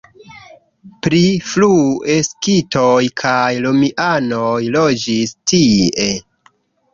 Pli frue skitoj kaj romianoj loĝis tie.